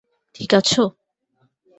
ঠিক আছো?